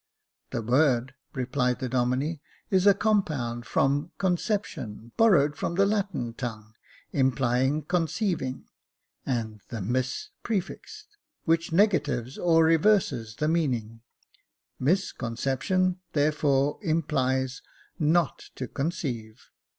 " The word," replied the Domine, " is a compound from conception, borrowed from the Latin tongue, implying con ceiving ; and the mis prefixed, which negatives or reverses the meaning ; misconception therefore implies not to conceive.